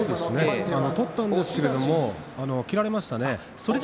取りましたけれども切られましたね。